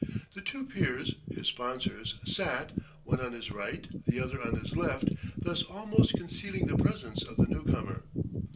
The two peers, his sponsors, sat, one on his right, the other on his left, thus almost concealing the presence of the new comer.